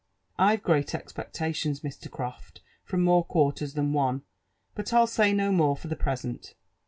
I've great expectations, Mr. Croft, from more quarters than one, but I'll say no more fpr the present.